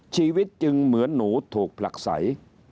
ชีวิตจึงเหมือนหนูถูกผลักใส